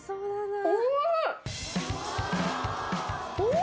お！